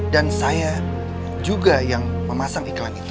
dan saya juga yang memasang iklan itu